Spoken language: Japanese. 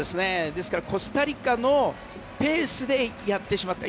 ですからコスタリカのペースでやってしまった。